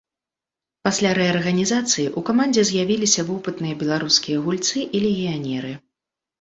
Пасля рэарганізацыі ў камандзе з'явіліся вопытныя беларускія гульцы і легіянеры.